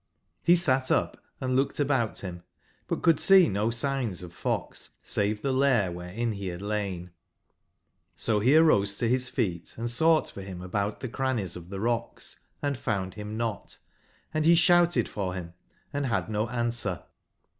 Re sat up & looked about bim, but could seeno signs of fox save tbe lair wberein be bad lain. Sobe arose to bis feet and sougbt for bim about tbe crannies of tbe rocks, and found bim not; and be sbouted for bim, & bad no answer.